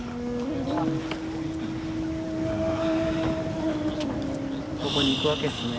あそこに行くわけっすね。